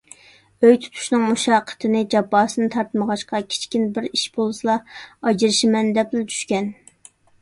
ئۆي تۇتۇشنىڭ مۇشەققىتىنى، جاپاسىنى تارتمىغاچقا، كىچىككىنە بىر ئىش بولسىلا «ئاجرىشىمەن» دەپلا چۈشكەن.